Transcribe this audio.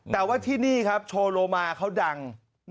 แต่ว่าที่นี่ครับโชว์โลมาเขาดัง